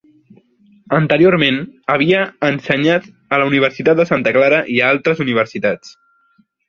Anteriorment, havia ensenyat a la Universitat de Santa Clara i a altres universitats.